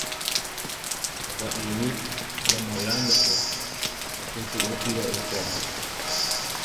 Aguaiʼy Loma Grandepe opytuʼu piroʼy porã.